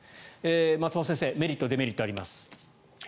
松本先生メリット、デメリットあります。